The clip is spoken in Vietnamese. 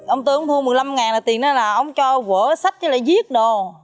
ông tư thua một mươi năm là tiền đó là ông cho vở sách với lại viết đồ